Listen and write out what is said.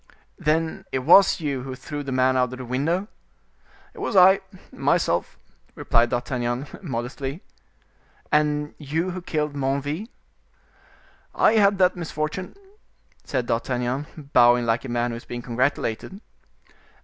"Then it was you who threw the man out of the window?" "It was I, myself," replied D'Artagnan, modestly. "And you who killed Menneville?" "I had that misfortune," said D'Artagnan, bowing like a man who is being congratulated.